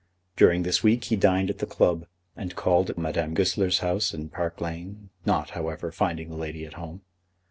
During this week he dined at the club, and called at Madame Goesler's house in Park Lane, not, however, finding the lady at home.